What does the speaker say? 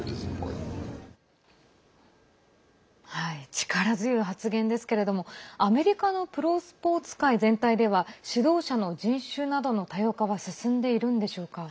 力強い発言ですけれどもアメリカのプロスポーツ界全体では指導者の人種などの多様化は進んでいるんでしょうか。